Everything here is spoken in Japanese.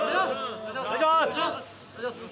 お願いします！